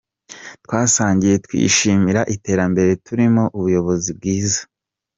Twasangiye, twishimira iterambere turimo, ubuyobozi bwiza.